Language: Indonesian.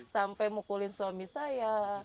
sampai mukulin suami saya